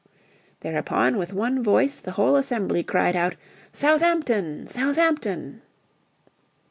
Thereupon with one voice the whole assembly cried out, "Southampton! Southampton!"